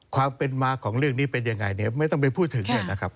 ความเป็นมาของเรื่องนี้เป็นยังไงเนี่ยไม่ต้องไปพูดถึงเนี่ยนะครับ